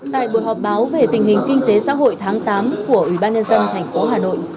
tại buổi họp báo về tình hình kinh tế xã hội tháng tám của ủy ban nhân dân tp hà nội